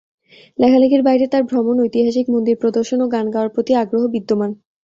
লেখালেখির বাইরে তার ভ্রমণ, ঐতিহাসিক মন্দির প্রদর্শন ও গান গাওয়ার প্রতি আগ্রহ বিদ্যমান।